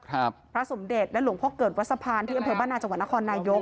ครับพระสมเด็จและลุงพ่อเกิดวัดสะพานที่อำเภบบ้านนาจักรวรรณคอนนายก